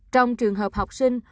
trong trường hợp học sinh